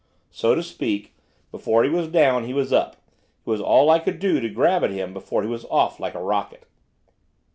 So to speak, before he was down he was up, it was all I could do to grab at him before he was off like a rocket.